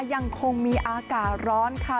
ยังคงมีอากาศร้อนค่ะ